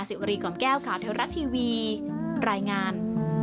ร้านจัดเลี้ยงกับจัดเลี้ยงนอกสถานที่อีกด้วยค่ะมาสิวรีกำแก้วขาวเทวรัสทีวีรายงาน